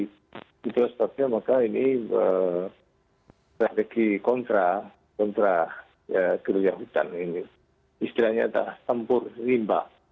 begitu sepertinya maka ini strategi kontra gerulya hutan ini istilahnya adalah tempur rimba